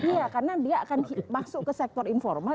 iya karena dia akan masuk ke sektor informal